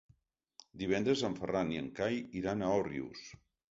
Divendres en Ferran i en Cai iran a Òrrius.